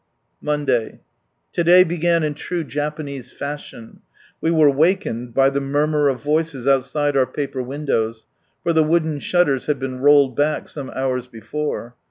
Monday. — To day began in true Japanese fashion; we were wakened by the murmur of voices outside our paper windows, for the wooden shutters had been rolled back some hours before.